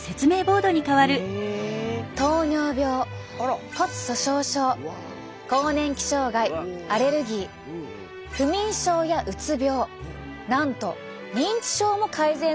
糖尿病骨粗しょう症更年期障害アレルギー不眠症やうつ病なんと認知症も改善するという報告も。